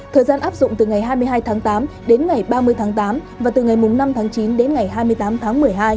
thời gian áp dụng từ ngày hai mươi hai tháng tám đến ngày ba mươi tháng tám và từ ngày năm tháng chín đến ngày hai mươi tháng tám